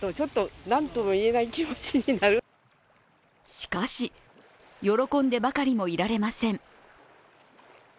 しかし、喜んでばかりもいられません。